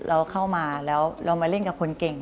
เราเข้ามาแล้วเรามาเล่นกับคนเก่ง